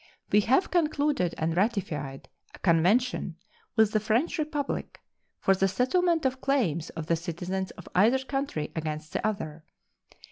We have concluded and ratified a convention with the French Republic for the settlement of claims of the citizens of either country against the other.